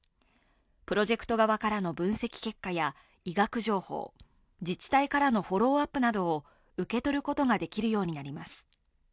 プロジェクト側からの分析結果や医学情報、自治体からのフォローアップなどを受け取ることができるようになります。